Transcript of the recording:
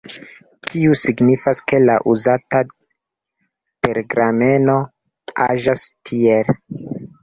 Tiu signifas, ke la uzata pergameno aĝas tiel.